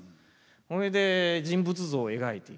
それで人物像を描いていくと。